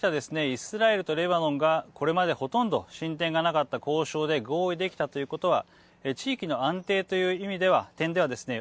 イスラエルとレバノンがこれまでほとんど進展がなかった交渉で合意できたということは地域の安定という点ではですね